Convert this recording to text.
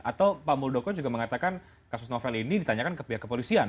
atau pak muldoko juga mengatakan kasus novel ini ditanyakan ke pihak kepolisian